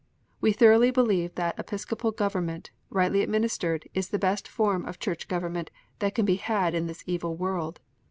We thoroughly believe that Episcopal government, rightly administered, is the best form of Church government that can be had in this evil world.